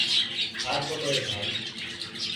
আর কত রে ভাই!